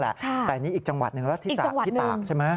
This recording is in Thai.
แต่นี่อีกจังหวัดนึงละที่ตากใช่ไหมอีกจังหวัดนึง